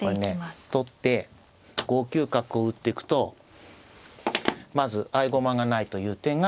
これね取って５九角を打ってくとまず合駒がないという点が一点。